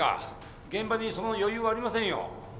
現場にその余裕はありませんよ。